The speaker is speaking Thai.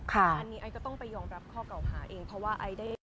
ค่ะ